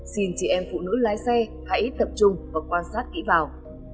xin chị em phụ nữ lái xe hãy tập trung và quan sát kỹ vào